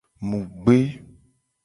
Mu gbe.